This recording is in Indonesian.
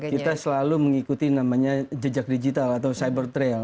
kita selalu mengikuti namanya jejak digital atau cyber trail